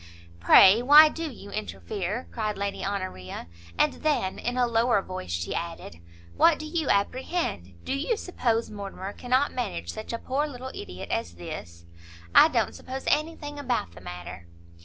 "Pray why do you interfere?" cried Lady Honoria, and then, in a lower voice, she added, "what do you apprehend? do you suppose Mortimer cannot manage such a poor little ideot as this?" "I don't suppose any thing about the matter!"